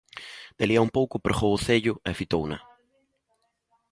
De alí a un pouco, pregou o cello e fitouna.